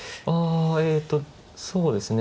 えっとそうですね。